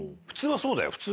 普通はそうだよ。